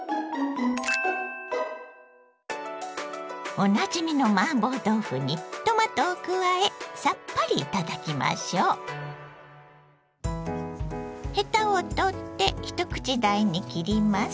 おなじみのマーボー豆腐にトマトを加えさっぱり頂きましょう。ヘタを取って一口大に切ります。